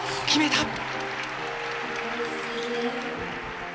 決めた！